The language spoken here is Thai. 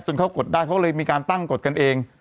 เขากดได้เขาเลยมีการตั้งกฎกันเอง